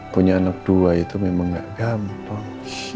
punya anak dua itu memang gak gampang